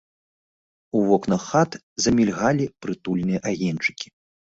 У вокнах хат замільгалі прытульныя агеньчыкі.